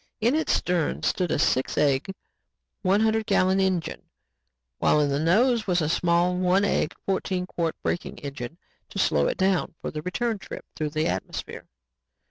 In its stern stood a six egg, one hundred gallon engine, while in the nose was a small, one egg, fourteen quart braking engine to slow it down for the return trip through the atmosphere.